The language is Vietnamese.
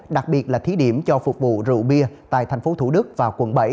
đặc biệt là thí điểm cho phục vụ rượu bia tại tp thủ đức và quận bảy